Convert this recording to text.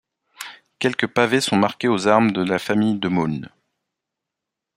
Quelques pavés sont marqués aux armes de la famille de Meaulne.